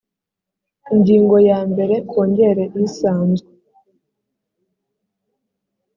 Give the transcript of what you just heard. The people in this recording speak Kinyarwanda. ingingo ya mbere kongere isanzwe